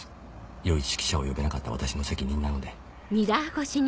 良い指揮者を呼べなかった私の責任なので。